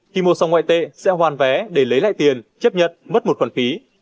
khi mua xong ngoại tệ sẽ hoàn vé để lấy lại tiền chấp nhận mất một khoản phí